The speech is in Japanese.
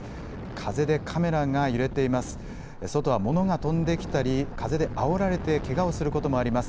風でカメラが揺れています。